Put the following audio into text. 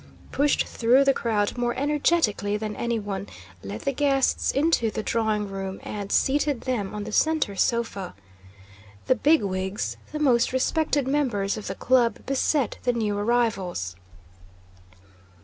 pushed through the crowd more energetically than anyone, led the guests into the drawing room, and seated them on the center sofa. The bigwigs, the most respected members of the club, beset the new arrivals.